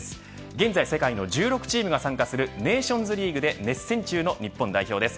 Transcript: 現在世界の１６チームが参加するネーションズリーグで熱戦中の日本代表です。